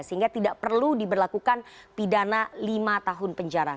sehingga tidak perlu diberlakukan pidana lima tahun penjara